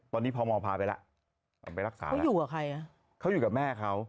ตอนนี้พ่อมอพาไปแล้ว